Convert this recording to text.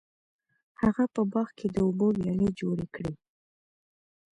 هغه په باغ کې د اوبو ویالې جوړې کړې.